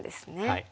はい。